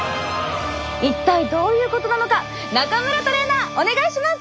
一体どういうことなのか中村トレーナーお願いします！